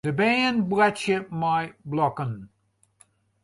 De bern boartsje mei blokken.